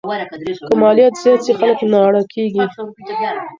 که مالیات زیات سي خلګ ناړه کیږي.